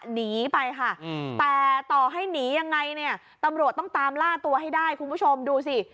หนีไปค่ะแต่ต่อให้หนียังไงเนี่ยตำรวจต้องตามล่าตัวให้ได้คุณผู้ชมดูสิ